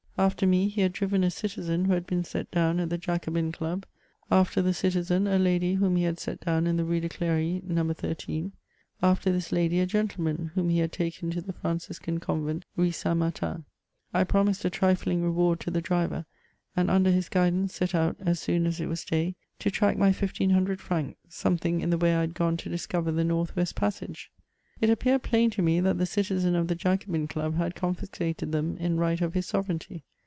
After me, he had driven a citizen who had been set down at the Jacobm dub ; after the citizen, a lady, idiom he had set down in the Rue de Clery, no. 13 ; after this lady, a gentleman, whom he had taken to the Franciscan convent. Rue St. Martin. I pxi mised a trifiing reward to the driver, and under hb guidaiice^ set out, as soon as it was day, to track my 1500 francs, some thing in the way I had gone to discover the nordi west passage. It appeared phun to me that the citiien of the Jacobm dub had confiscated them in right of his sovereignty.